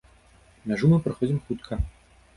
Мяжу мы праходзім хутка.